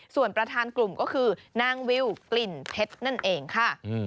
ส่วนประธานกลุ่มก็คือนางวิวกลิ่นเพชรนั่นเองค่ะ